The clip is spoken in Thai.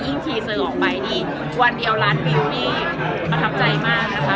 ทีเซอร์ออกไปนี่วันเดียวล้านวิวนี่ประทับใจมากนะคะ